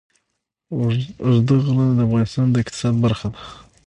اوږده غرونه د افغانستان د اقتصاد برخه ده.